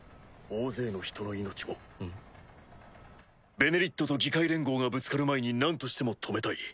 「ベネリット」と議会連合がぶつかる前になんとしても止めたい。